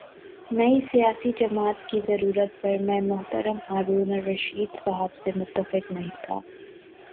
نئی سیاسی جماعت کی ضرورت پر میں محترم ہارون الرشید صاحب سے متفق نہیں تھا۔